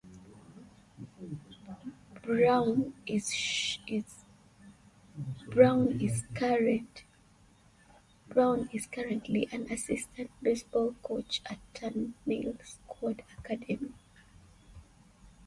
Brown is currently an assistant baseball coach at Tattnall Square academy.